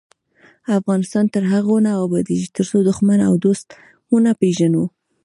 افغانستان تر هغو نه ابادیږي، ترڅو دښمن او دوست ونه پیژنو.